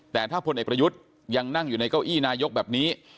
แต่ถ้าพลเอกประยุทธ์ยังนั่งอยู่ในเก้าอี้นายกแบบนี้